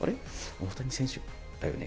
大谷選手だよね？